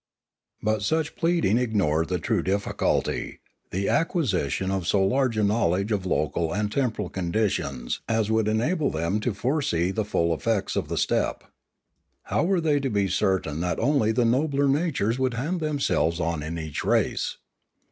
But such pleading ignored the true difficulty, the acquisition of so large a knowledge of local and tem poral conditions as would enable them to foresee the full effects of the step. How were they to be certain that only the nobler natures would hand themselves on in each race?